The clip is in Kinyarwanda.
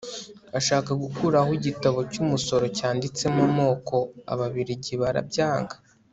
ashaka gukuraho igitabo cy'umusoro cyanditsemo amoko, ababiligi barabyanga